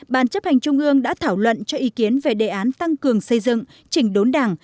ban chấp hành trung ương đã thảo luận cho ý kiến về đề án tăng cường xây dựng chỉnh đốn đảng